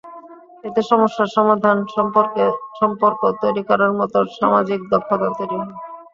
এতে সমস্যার সমাধান, সম্পর্ক তৈরি করার মতো সামাজিক দক্ষতা তৈরি হয়।